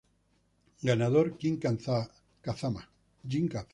Ganador: Jin Kazama.